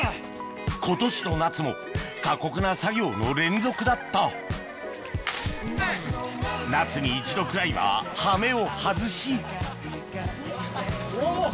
今年の夏も過酷な作業の連続だった夏に一度くらいは羽目を外しおぉ！